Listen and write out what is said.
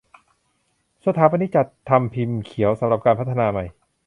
สถาปนิกจัดทำพิมพ์เขียวสำหรับการพัฒนาใหม่